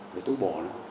để tu bổ nó